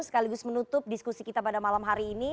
sekaligus menutup diskusi kita pada malam hari ini